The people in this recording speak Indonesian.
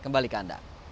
kembali ke anda